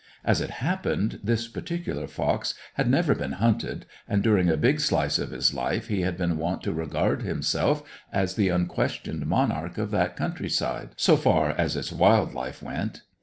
As it happened, this particular fox had never been hunted, and during a big slice of his life he had been wont to regard himself as the unquestioned monarch of that country side; so far as its wild life went.